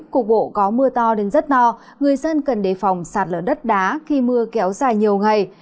cục bộ có mưa to đến rất no người dân cần đề phòng sạt lở đất đá khi mưa kéo dài nhiều ngày